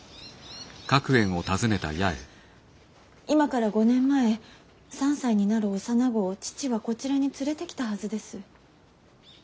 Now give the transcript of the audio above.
今から５年前３歳になる幼子を父はこちらに連れてきたはずです。